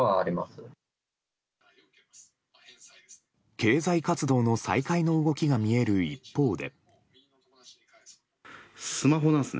経済活動の再開の動きが見える一方で。